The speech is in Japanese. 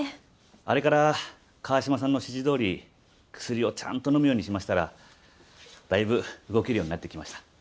あれから川島さんの指示どおり薬をちゃんと飲むようにしましたらだいぶ動けるようになってきました。